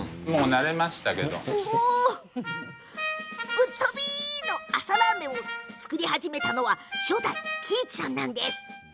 ぶっとびの朝ラーメン作りを始めたのが初代の喜一さんです。